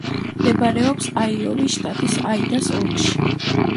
მდებარეობს აიოვის შტატის აიდას ოლქში.